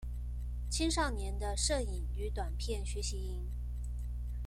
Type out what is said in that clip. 青少年的攝影與短片學習營